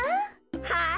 はい。